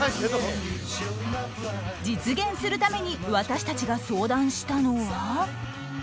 実現するために私たちが相談したのは。